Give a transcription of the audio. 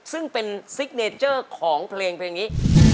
ซึ่งเป็นซิกเนเจอร์ของเพลงนี้